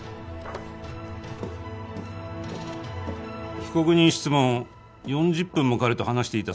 被告人質問４０分も彼と話していたそうだね。